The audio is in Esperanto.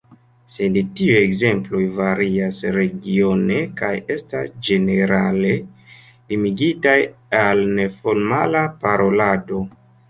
Sed tiuj ekzemploj varias regione kaj estas ĝenerale limigitaj al neformala parolado.